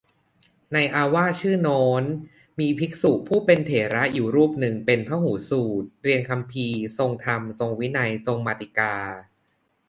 ในอาวาสชื่อโน้น มีภิกษุผู้เป็นเถระอยู่รูปหนึ่งเป็นพหูสูตร เรียนคำภีร์ ทรงธรรม ทรงวินัย ทรงมาติกา